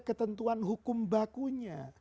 ketentuan hukum bakunya